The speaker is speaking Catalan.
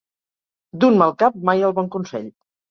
D'un mal cap, mai el bon consell.